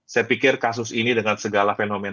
saya pikir kasus ini dengan segala fenomena